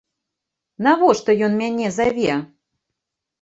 Навошта ён мяне заве?